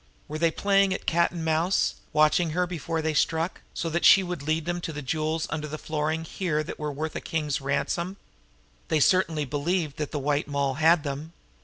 Were they playing at cat and mouse, watching her before they struck, so that she would lead them to those jewels under the flooring here that were worth a king's ransom? They certainly believed that the White Moll had them.